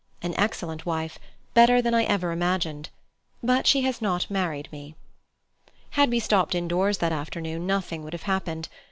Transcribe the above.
An excellent wife better than I ever imagined. But she has not married me. Had we stopped indoors that afternoon nothing thing would have happened.